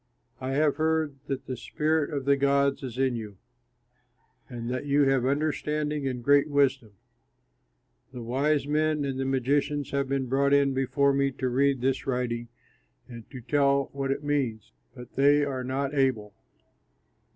I have heard that the spirit of the gods is in you, and that you have understanding and great wisdom. The wise men and the magicians have been brought in before me to read this writing and to tell what it means; but they are not able.